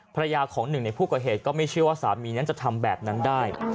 ภรรยาของหนึ่งในผู้ก่อเหตุก็ไม่เชื่อว่าสามีนั้นจะทำแบบนั้นได้